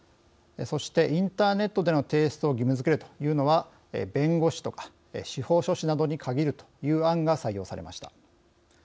そしてインターネットでの提出を義務づけるというのは弁護士とか司法書士などに限るという案が採用されました。